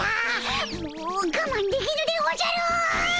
もうがまんできぬでおじゃる！